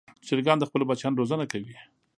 چرګان د خپلو بچیانو روزنه کوي.